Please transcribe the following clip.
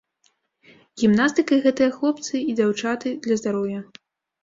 Гімнастыкай гэтыя хлопцы і дзяўчаты для здароўя.